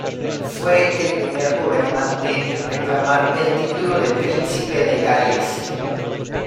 Fue el primer gobernante en reclamar el título de Príncipe de Gales.